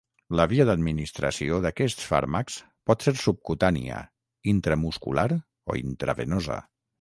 La via d'administració d'aquests fàrmacs pot ser subcutània, intramuscular o intravenosa.